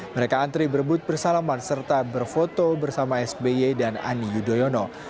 mereka antri berebut bersalaman serta berfoto bersama sby dan ani yudhoyono